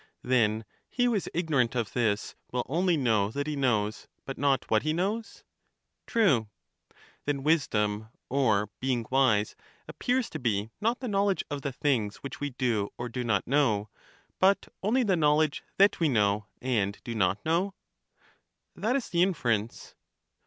Then he who is ignorant of this will only know that he knows, but not what he knows? True. Then wisdom or being wise appears to be not the knowledge of the things which we do or do not know, but only the knowledge that we know and do not know? That is the inference.